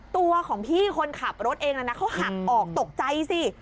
ตัวของพี่คนขับรถเองนะเขาหักออกตกใจสิ